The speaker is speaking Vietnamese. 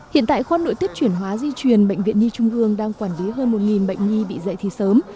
hiện tại khoa nội tiết chuyển hóa di truyền bệnh viện nhi trung ương đang quản lý hơn một bệnh nhi bị dạy thì sớm